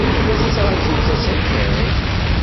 La tettṛajumt asakal?